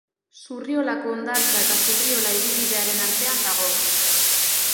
Zurriolako hondartza eta Zurriola hiribidearen artean dago.